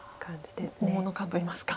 大物感といいますか。